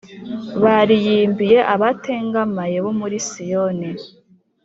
Bariyimbire abatengamaye bo muri Siyoni,